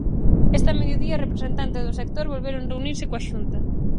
Este mediodía representantes do sector volveron reunirse coa Xunta.